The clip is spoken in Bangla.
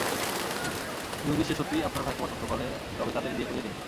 যদি সে সত্যিই আপনার ভাইকে পছন্দ করে তবে তাদের বিয়ে করিয়ে দিন।